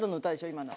今の。